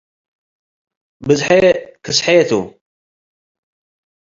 ብዝሔ ክስሔ ቱ።